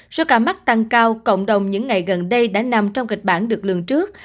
do ca mắc tăng cao cộng đồng những ngày gần đây đã nằm trong kịch bản được lương trước